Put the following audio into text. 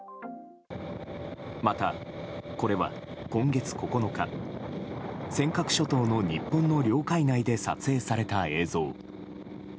またこれは、今月９日尖閣諸島の日本の領海内で撮影された映像。